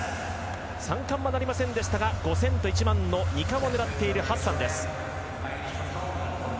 ３冠はなりませんでしたが５０００と１００００の２冠を狙っているハッサンです。